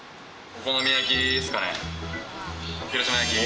お好み焼きですか。